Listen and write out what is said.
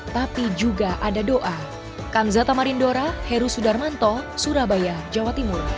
tapi juga ada doa